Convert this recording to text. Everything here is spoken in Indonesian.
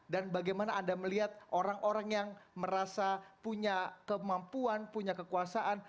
dan bagaimana anda melihat orang orang yang merasa punya kemampuan punya kekuasaan